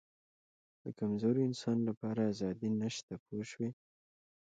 د کمزوري انسان لپاره آزادي نشته پوه شوې!.